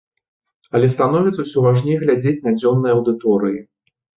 Але становіцца ўсё важней глядзець на дзённыя аўдыторыі.